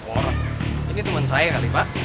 orang ini teman saya kali pak